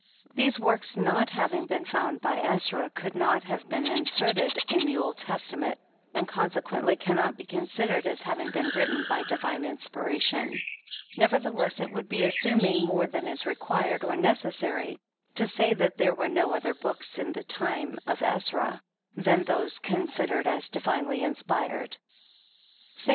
These works, not having been found by Ezra, could not have been inserted in the Old Testament, and consequently cannot be con sidered as having been written by divine inspiration. Nevertheless, it would be assuming more than is required or necessary, to say that there were no other books in the time of Ezra, than those considered as dii'inely inspired. St.